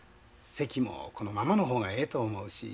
籍もこのままの方がええと思うし。